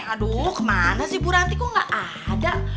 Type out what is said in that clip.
aduh kemana sih buranti kok gak ada